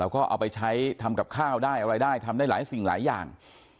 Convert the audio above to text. แล้วก็เอาไปใช้ทำกับข้าวได้อะไรได้ทำได้หลายสิ่งหลายอย่าง